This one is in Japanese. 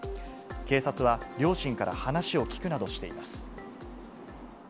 警察は、両親から話を聞くなどしています。